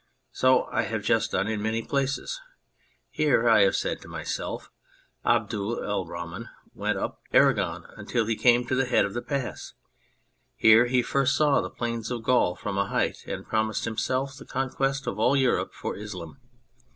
So have I just done in many places. Here (I have said to myself) Abdul ul Rahman went up Aragon till he came to the head of the Pass. Here he first saw the plains of Gaul from a height and promised himself the conquest of all Europe for Islam.